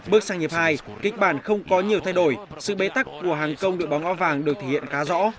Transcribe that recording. bước sang hiệp hai kịch bản không có nhiều thay đổi sự bế tắc của hàng công đội bóng ngo vàng được thể hiện khá rõ